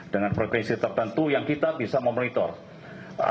dengan frekuensi tertentu yang kita bisa memonitor